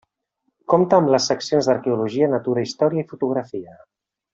Compta amb les seccions d'Arqueologia, natura, història i fotografia.